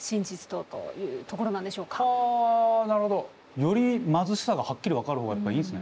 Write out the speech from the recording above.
より貧しさがはっきり分かる方がやっぱいいんすね。